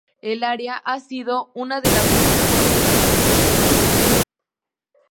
El área ha sido una de las más pobres del país.